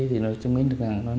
thì nó chứng minh được rằng